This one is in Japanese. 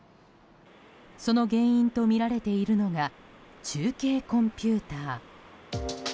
その原因とみられているのが中継コンピューター。